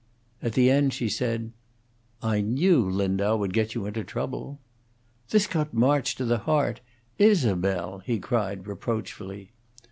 At the end she said, "I knew Lindau would get you into trouble." This cut March to the heart. "Isabel!" he cried, reproachfully.